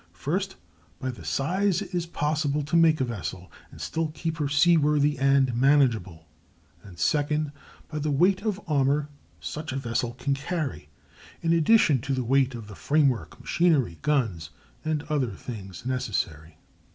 First, by the size it is possible to make a vessel, and still keep her seaworthy and manageable; and, second, by the weight of armor such a vessel can carry, in addition to the weight of the framework, machinery, guns, and other things necessary.